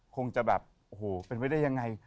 คงจะแบบโอ้โหเป็นไปได้ยังไง